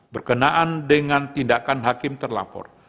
berkenaan dengan tindakan hakim terlapor